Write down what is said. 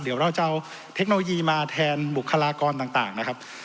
เดี๋ยวเราจะเอาเทคโนโลยีมาแทนบุคลากรต่างนะครับ